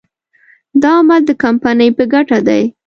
دا عمل د کمپنۍ په ګټه دی.